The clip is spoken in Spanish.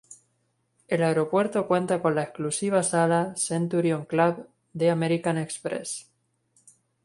El Aeropuerto cuenta con la exclusiva sala "Centurion Club" de American Express.